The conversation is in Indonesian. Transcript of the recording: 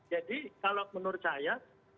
jadi kalau menurut saya